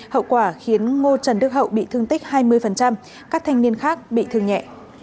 hậu quả khiến ngô trần đức hậu bị thương tích hai mươi các thanh niên khác bị thương nhẹ